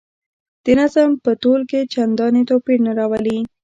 د نظم په تول کې چنداني توپیر نه راولي.